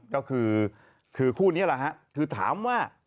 ก็คือคู่นี้แหละฮะคือถามว่า